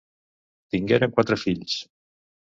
Tingueren quatre fills.